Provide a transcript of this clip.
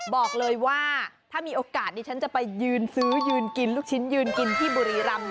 บอกเลยว่าถ้ามีโอกาสดิฉันจะไปยืนซื้อยืนกินลูกชิ้นยืนกินที่บุรีรำ